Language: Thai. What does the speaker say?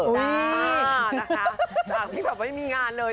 จากที่ไม่มีงานเลย